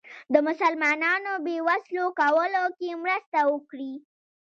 د مسلمانانو بې وسلو کولو کې مرسته وکړي.